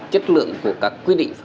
chất lượng của các quy định pháp luật